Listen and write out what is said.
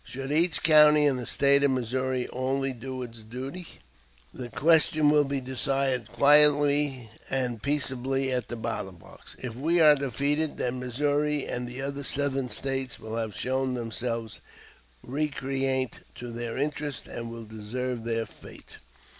Should each county in the State of Missouri only do its duty, the question will be decided quietly and peaceably at the ballot box. If we are defeated, then Missouri and the other Southern States will have shown themselves recreant to their interests and will deserve their fate."